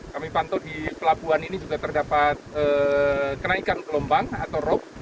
kami pantau di pelabuhan ini juga terdapat kenaikan gelombang atau rop